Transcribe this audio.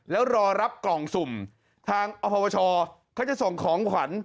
แล้วรอรับกล่องสุ่มทางอพวชเขาจะส่งของขวัญ